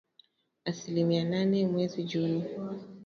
Asilimia nane mwezi Juni.